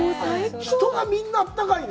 人がみんなあったかいね。